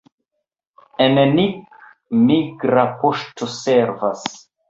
En Nick migra poŝto servas.